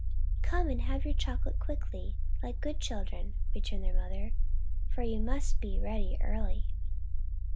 " Come and have your chocolate quickly, like good children," returned their mother, " for you must be ready early."